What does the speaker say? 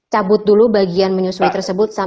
cabut dulu bagian menyusui tersebut